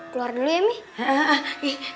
kular dulu ya mih